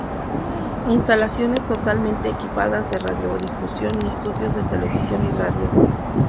Instalaciones totalmente equipadas de radiodifusión y estudios de televisión y radio.